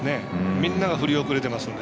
みんなが振り遅れますので。